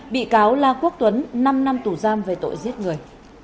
bị cáo la quốc tuấn năm năm tù giam về tội giết người